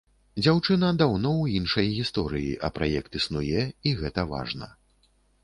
Дзяўчына даўно ў іншай гісторыі, а праект існуе, і гэта важна.